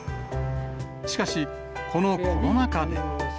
しかし、このコロナ禍で。